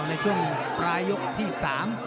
ในช่วงปลายยกที่สาม